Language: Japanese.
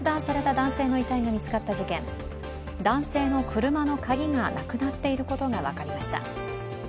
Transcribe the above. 男性の車の鍵がなくなっていることが分かりました。